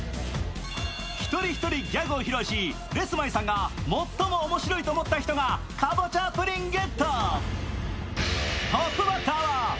一人一人ギャグを披露し、レスマイさんが最も面白いと思った人がカボチャプリンゲット。